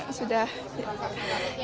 pak makasih banyak